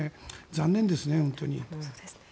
残念ですね、本当に。